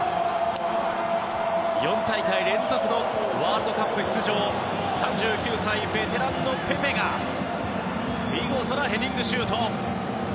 ４大会連続のワールドカップ出場３９歳、ベテランのペペが見事なヘディングシュート！